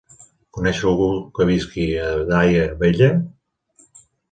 Coneixes algú que visqui a Daia Vella?